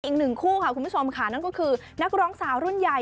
อีกหนึ่งคู่ค่ะคุณผู้ชมค่ะนั่นก็คือนักร้องสาวรุ่นใหญ่